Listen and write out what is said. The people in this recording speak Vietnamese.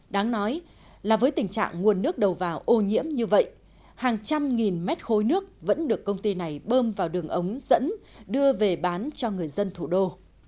đáng nói là với tình trạng nguồn nước đầu vào ô nhiễm như vậy hàng trăm nghìn mét khối nước vẫn được công ty này bơm vào đường ống dẫn đưa về bán cho người dân thủ đô